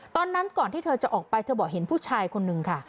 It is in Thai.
ตอนนั้นก่อนที่เธอจะออกไปเธอบอกเห็นผู้ชายคนนึงค่ะ